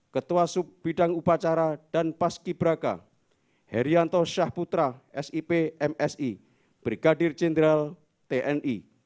ketua sub bidang upacara dan paski braka herianto syahputra sip msi brigadir jenderal tni